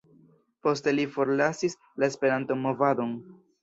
Poste li forlasis la Esperanto-movadon.